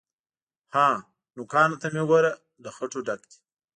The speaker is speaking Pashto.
_ها! نوکانو ته مې وګوره، له خټو ډک دي.